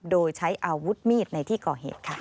โดยใช้อาวุธมีดในที่ก่อเหตุค่ะ